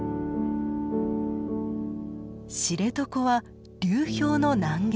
知床は流氷の南限。